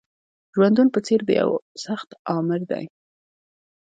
ژوندون په څېر د یوه سخت آمر دی